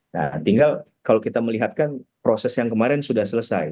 nah tinggal kalau kita melihatkan proses yang kemarin sudah selesai